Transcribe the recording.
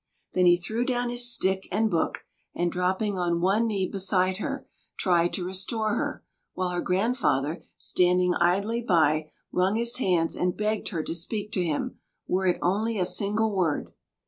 Then he threw down his stick and book, and dropping on one knee beside her, tried to restore her, while her grandfather, standing idly by, wrung his hands and begged her to speak to him, were it only a single word.